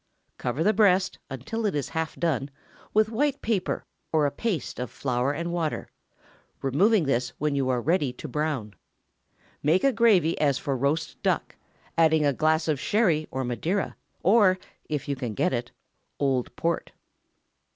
Cover the breast, until it is half done, with white paper, or a paste of flour and water, removing this when you are ready to brown. Make a gravy as for roast duck, adding a glass of Sherry or Madeira, or (if you can get it) old Port.